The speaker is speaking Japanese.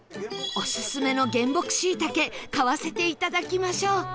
オススメの原木しいたけ買わせていただきましょう